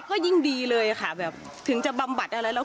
ก็ยิ่งดีเลยค่ะแบบถึงจะบำบัดอะไรแล้ว